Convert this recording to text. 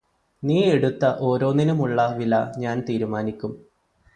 നീ എടുത്ത ഓരോന്നിനുമുള്ള വില ഞാന് തീരുമാനിക്കും